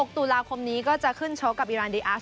ตุลาคมนี้ก็จะขึ้นชกกับอิราณดีอาร์